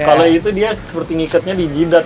kalau itu dia seperti ngikatnya di jindak